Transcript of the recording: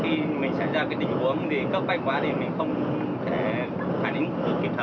khi mình xảy ra cái tình huống thì cấp bay quá thì mình không thể khả năng được kịp thở